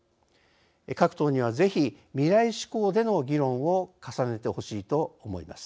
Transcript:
各党にはぜひ未来志向での議論を重ねてほしいと思います。